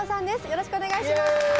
よろしくお願いします。